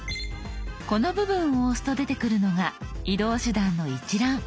この部分を押すと出てくるのが移動手段の一覧。